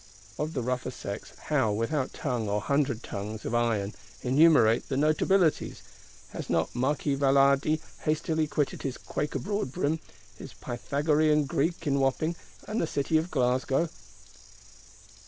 Of the rougher sex how, without tongue, or hundred tongues, of iron, enumerate the notabilities! Has not Marquis Valadi hastily quitted his quaker broadbrim; his Pythagorean Greek in Wapping, and the city of Glasgow?